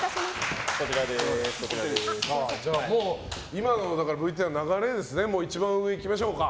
今のＶＴＲの流れで一番上いきましょうか。